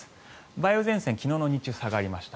梅雨前線昨日の日中、下がりました。